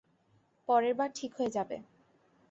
পরেরবার ঠিক হয়ে যাবে।